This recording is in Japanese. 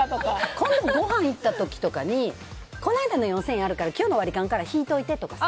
今度、ごはん行った時なんかにこの間の４０００円あるから今日の割り勘から引いといてとかさ。